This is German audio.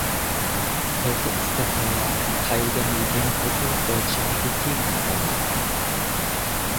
Heute ist der Verlag Teil der Mediengruppe Deutscher Apotheker Verlag.